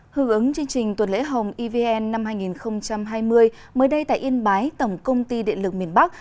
hương ứng chương trình tuần lễ hồng evn năm hai nghìn hai mươi mới đây tại yên bái tổng công ty điện lực miền bắc